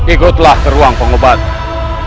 ikutlah ke ruang pengobatan